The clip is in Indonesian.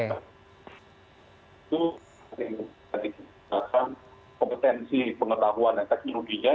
itu kompetensi pengetahuan dan teknologinya